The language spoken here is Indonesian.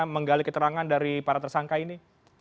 menggali keterangan dari para tersangka ini